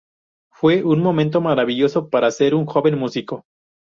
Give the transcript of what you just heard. Fue un momento maravilloso para ser un joven músico.